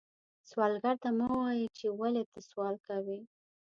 سوالګر ته مه وایې چې ولې ته سوال کوې